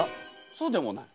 そうでもない？